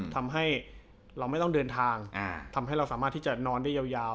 ทำให้เราไม่ต้องเดินทางทำให้เราสามารถที่จะนอนได้ยาว